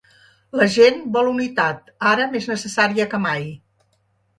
La gent vol unitat, ara més necessària que mai.